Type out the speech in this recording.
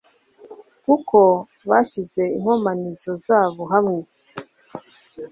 kuko bashyize inkomanizo zabo hamwe